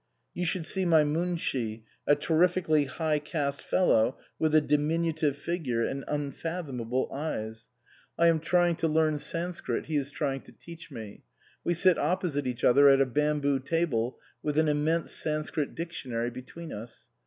... You should see my Munshi, a terrifically high caste fellow with a diminutive figure and unfathomable eyes. I am trying to 195 THE COSMOPOLITAN learn Sanscrit. He is trying to teach me. We sit opposite each other at a bamboo table with an immense Sanscrit dictionary between us.